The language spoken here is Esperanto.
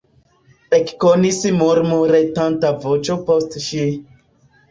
Eksonis murmuretanta voĉo post ŝi.